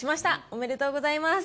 おめでとうございます。